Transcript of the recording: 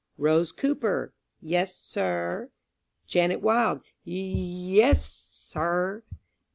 "Rose Cooper."... "Yes, sir." "Janet Wild."... "Y y yes, s sir."